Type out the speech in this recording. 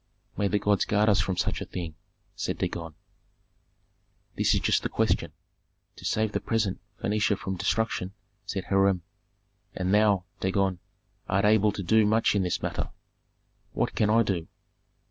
"May the gods guard us from such a thing," said Dagon. "This is just the question, to save the present Phœnicia from destruction," said Hiram. "And thou, Dagon, art able to do much in this matter." "What can I do?"